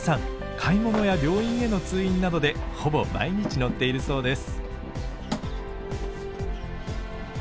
買い物や病院への通院などでほぼ毎日乗っているそうです。